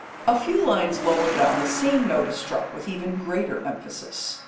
A few lines lower down the same note is struck with even greater emphasis.